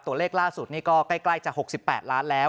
ตัวเลขล่าสุดนี่ก็ใกล้จะ๖๘ล้านแล้ว